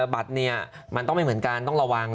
บัตรเนี่ยมันต้องไม่เหมือนกันต้องระวัง